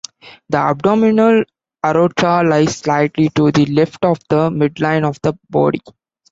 The abdominal aorta lies slightly to the left of the midline of the body.